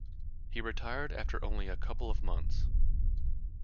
He retired after only a couple of months.